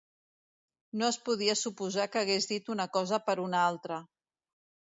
No es podia suposar que hagués dit una cosa per una altra.